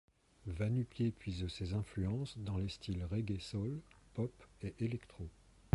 Vanupié puise ses influences dans les styles reggae-soul, pop et électro.